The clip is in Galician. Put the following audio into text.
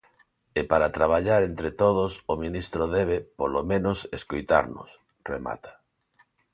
"E para traballar entre todos, o ministro debe, polo menos, escoitarnos", remata.